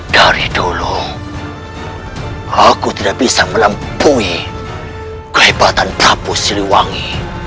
dari dulu aku tidak bisa melampungi kehebatan prabu siliwangi